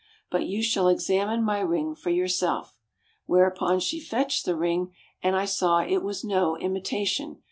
But you shall examine my ring for yourself." Where upon she fetched the ring, and I saw it was no imitation.